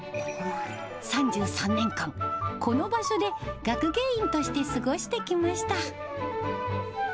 ３３年間、この場所で学芸員として過ごしてきました。